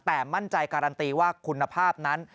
แต่มั่นใจการันตีว่าคุณภาพนั้น